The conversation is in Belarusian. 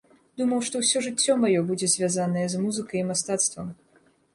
Думаў, што ўсё жыццё маё будзе звязанае з музыкай і мастацтвам.